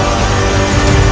kau tak bisa menyembuhkan